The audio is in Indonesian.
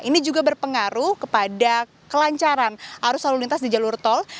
ini juga berpengaruh kepada kelancaran arus lalu lintas di jalur tol